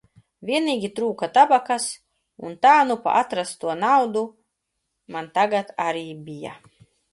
Vienīgi trūka tabakas un tā nu pa atrasto naudu man tagad arī bija.